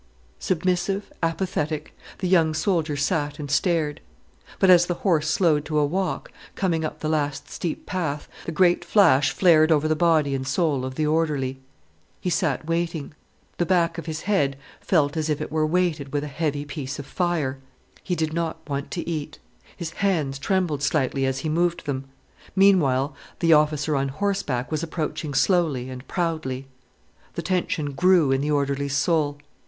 Submissive, apathetic, the young soldier sat and stared. But as the horse slowed to a walk, coming up the last steep path, the great flash flared over the body and soul of the orderly. He sat waiting. The back of his head felt as if it were weighted with a heavy piece of fire. He did not want to eat. His hands trembled slightly as he moved them. Meanwhile the officer on horseback was approaching slowly and proudly. The tension grew in the orderly's soul.